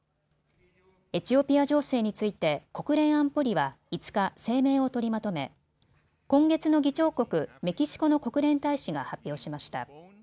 エチオピア情勢について国連安保理は５日、声明を取りまとめ今月の議長国、メキシコの国連大使が発表しました。